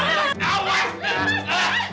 jangan jangan jangan